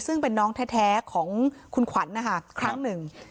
ซึ่งเป็นน้องแท้ของคุณขวัญนะคะครั้งหนึ่ง